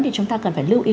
thì chúng ta cần phải lưu ý